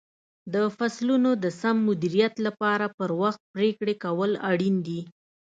د فصلونو د سم مدیریت لپاره پر وخت پرېکړې کول اړین دي.